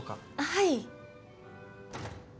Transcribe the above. はい。